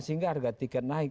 sehingga harga tiket naik